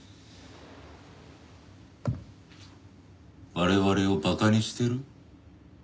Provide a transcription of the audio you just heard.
我々を馬鹿にしてる？